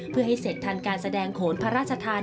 เพื่อให้เสร็จทันการแสดงโขนพระราชทาน